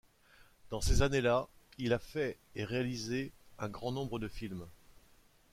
Dans ces années-là, il a fait et réalisé un grand nombre de films.